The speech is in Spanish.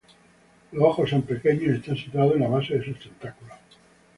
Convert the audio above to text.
Los ojos son pequeños y están situados en la base de sus tentáculos.